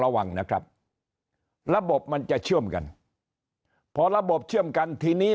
ระวังนะครับระบบมันจะเชื่อมกันพอระบบเชื่อมกันทีนี้